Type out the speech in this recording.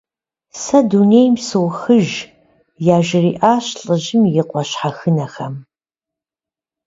Сэ дунейм сохыж, - яжриӏащ лӏыжьым и къуэ щхьэхынэхэм.